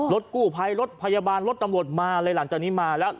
รถกู้ภัยรถพยาบาลรถตำรวจมาเลยหลังจากนี้มาแล้ว